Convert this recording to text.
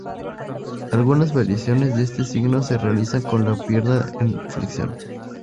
Algunas variaciones de este signo se realizan con la pierna en flexión.